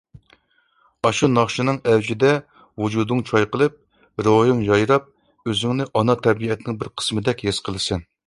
ئاشۇ ناخشىنىڭ ئەۋجىدە ۋۇجۇدۇڭ چايقىلىپ، روھىڭ يايراپ ئۆزۈڭنى ئانا تەبىئەتنىڭ بىر قىسمىدەك ھېس قىلىسەن.